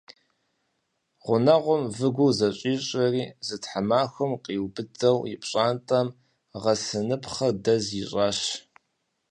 Гъунэгъум выгур зэщӀищӀэри зы тхьэмахуэм къриубыдэу и пщӀантӀэм гъэсыныпхъэр дэз ищӀащ.